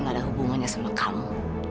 gak ada hubungannya sama kamu